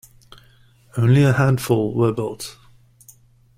Only a handful were built.